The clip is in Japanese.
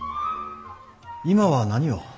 今は何を。